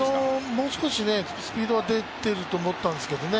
もう少しスピードが出てると思ったんですけどね